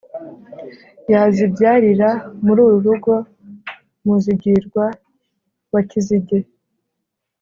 yazibyarira muri uru rugo muzigirwa wa kizige